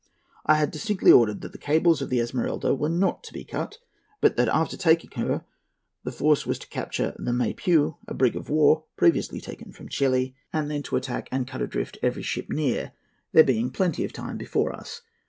"I had distinctly ordered that the cables of the Esmeralda were not to be cut, but that after taking her, the force was to capture the Maypeu, a brig of war previously taken from Chili, and then to attack and cut adrift every ship near, there being plenty of time before us.